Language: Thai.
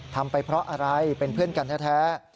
ทำไปเพราะอะไรเป็นเพื่อนกันแท้